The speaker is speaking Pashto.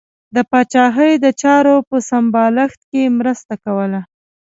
د پاچاهۍ د چارو په سمبالښت کې مرسته کوله.